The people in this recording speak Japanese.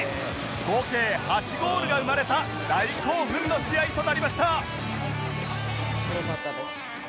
合計８ゴールが生まれた大興奮の試合となりました